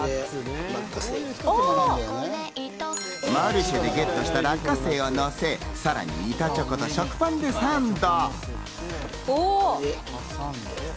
マルシェでゲットした落花生をのせ、さらに板チョコと食パンでサンド。